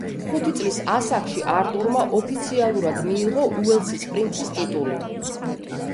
ხუთი წლის ასაკში არტურმა ოფიციალურად მიიღო უელსის პრინცის ტიტული.